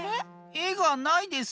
えがないですよ。